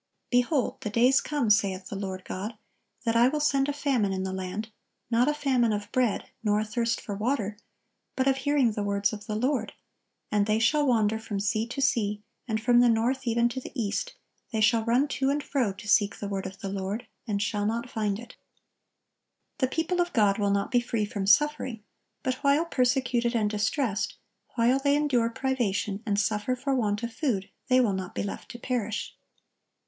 "Behold, the days come, saith the Lord God, that I will send a famine in the land, not a famine of bread, nor a thirst for water, but of hearing the words of the Lord: and they shall wander from sea to sea, and from the north even to the east, they shall run to and fro to seek the word of the Lord, and shall not find it."(1078) The people of God will not be free from suffering; but while persecuted and distressed, while they endure privation, and suffer for want of food, they will not be left to perish.